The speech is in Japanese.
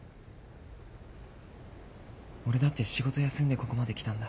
俺だって仕事休んでここまで来たんだ。